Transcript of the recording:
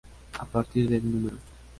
A partir del No.